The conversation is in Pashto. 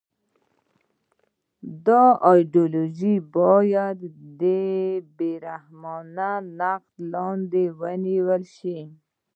دا ایدیالوژي باید تر بې رحمانه نقد لاندې ونیول شي